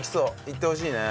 行ってほしいね。